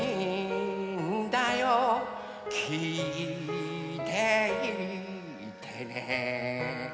「きいていてね、、、」